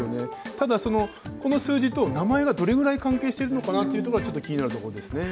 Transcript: ただ、この数字と名前がどれくらい関係しているのかなというのはちょっと気になるところですね。